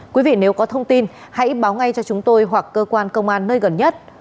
quý vị nếu có thông tin hãy báo ngay cho chúng tôi hoặc cơ quan công an nơi gần nhất